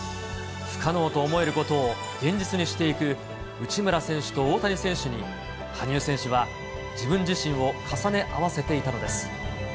不可能と思えることを現実にしていく内村選手と大谷選手に、羽生選手は自分自身を重ね合わせていたのです。